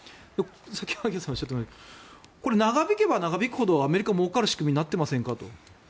先ほど萩谷さんがおっしゃったように長引けば長引くほどアメリカは、もうかる仕組みになっていませんかと。